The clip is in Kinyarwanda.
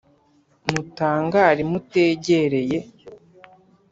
Mutangare mutegereye